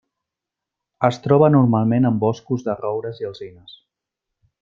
Es troba normalment en boscos de roures i alzines.